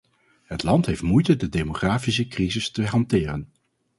Het land heeft moeite de demografische crisis te hanteren.